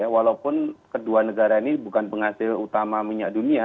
walaupun kedua negara ini bukan penghasil utama minyak dunia